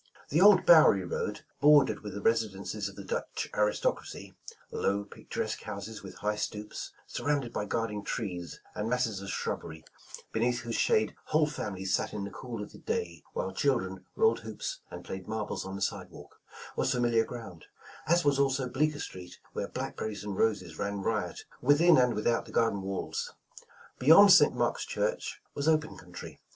The old Bowery road, bordered with the residences of the Dutch aristocracy, — low, picturesque houses with high stoops, surrounded by guarding trees and masses of shrubbery, beneath whose shade whole fami lies sat in the cool of the day, while children rolled hoops and played marbles on the sidewalk, — was famil iar ground ; as was also Bleeeker Street, where black berries and roses ran riot within and witliout the gar den walls. ^Beyond St. Mark's church was open country.